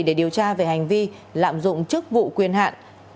để điều tra về hành vi lạm dụng chức vụ quyền hạn